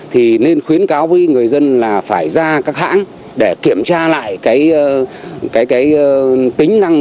thì nên khuyến cáo với người dân là phải ra các hãng để kiểm tra lại cái tính năng